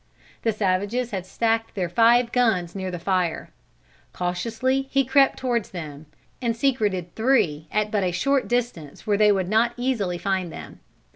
The savages had stacked their five guns near the fire. Cautiously he crept towards them, and secreted three at but a short distance where they would not easily find them.